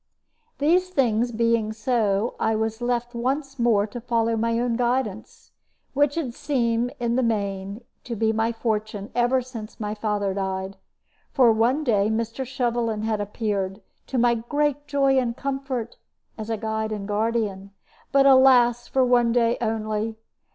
These things being so, I was left once more to follow my own guidance, which had seemed, in the main, to be my fortune ever since my father died. For one day Mr. Shovelin had appeared, to my great joy and comfort, as a guide and guardian; but, alas! for one day only.